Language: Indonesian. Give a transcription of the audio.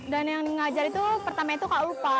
dan yang mengajar itu pertama itu kak lupa